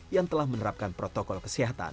yang telah menerapkan protokol kesehatan